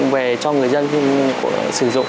về cho người dân sử dụng